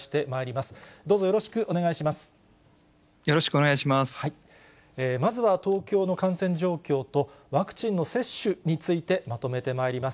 まずは東京の感染状況と、ワクチンの接種についてまとめてまいります。